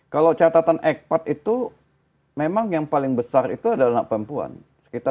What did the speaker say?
kalau catatan ecpat itu memang yang paling besar itu adalah anak perempuan sekitar tujuh puluh delapan